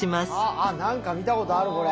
あ何か見たことあるこれ。